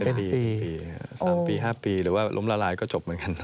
คดี๓ปี๕ปีหรือว่าล้มละลายก็จบเหมือนกัน